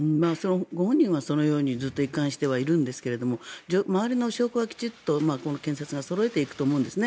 ご本人はそのようにずっと一貫しているんですけど周りの証拠は、きちんと検察がそろえていくと思うんですね。